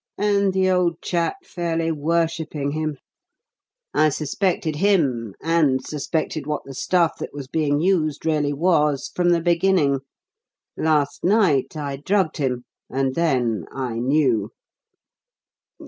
And the old chap fairly worshipping him. I suspected him, and suspected what the stuff that was being used really was from the beginning. Last night I drugged him, and then I knew."